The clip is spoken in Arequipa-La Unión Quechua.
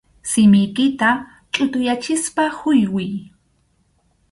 Simiykita chʼutuyachispa huywiy.